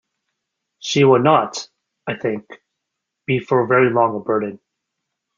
She will not, I think, be for very long a burden.